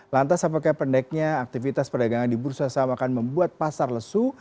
lantas apakah pendeknya aktivitas perdagangan di bursa saham akan membuat pasar lesu